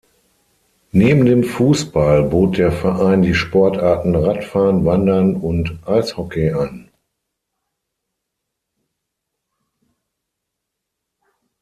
Neben dem Fußball bot der Verein die Sportarten Radfahren, Wandern und Eishockey an.